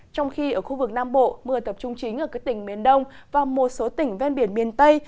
trong khi ở khu vực nam bộ mưa tập trung chính ở các tỉnh miền đông và một số tỉnh ven biển miền tây